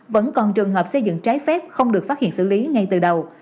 vẫn còn trường hợp xây dựng trái phép không được phát hiện xử lý ngay từ đầu